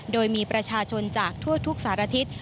โดยมีประชาชนจากทั่วทุกสารทิศ